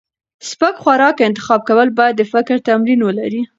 سپک خوراک انتخاب کول باید د فکر تمرین ولري.